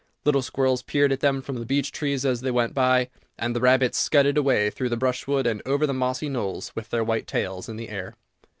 Little squirrels peered at them from the beech trees as they went by, and the rabbits scudded away through the brushwood and over the mossy knolls, with their white tails in the air.